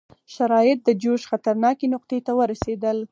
شرایط د جوش خطرناکې نقطې ته ورسېدل.